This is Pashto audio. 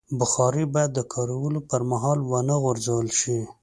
بخاري باید د کارولو پر مهال ونه غورځول شي.